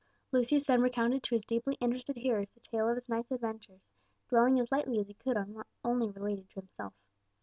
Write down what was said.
Lucius then recounted to his deeply interested hearers the tale of his night's adventures, dwelling as lightly as he could on what only related to himself.